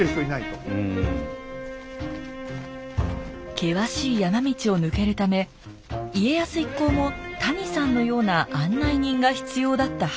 険しい山道を抜けるため家康一行も谷さんのような案内人が必要だったはずです